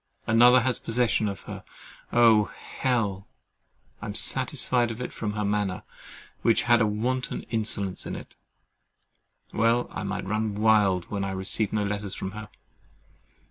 Another has possession of her, oh Hell! I'm satisfied of it from her manner, which had a wanton insolence in it. Well might I run wild when I received no letters from her.